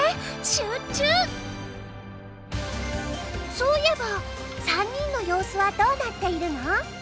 そういえば３人の様子はどうなっているの？